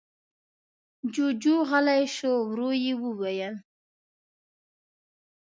جُوجُو غلی شو. ورو يې وويل: